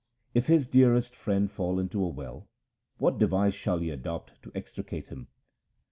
If his dearest friend fall into a well, what device shall he adopt to extricate him